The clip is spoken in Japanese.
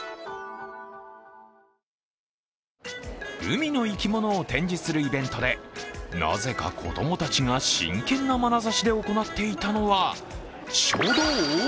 海の生き物を展示するイベントで、なぜか子供たちが真剣なまなざしで行っていたのは書道？